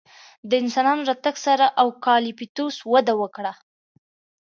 د انسانانو راتګ سره اوکالیپتوس وده وکړه.